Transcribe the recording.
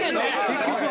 結局は。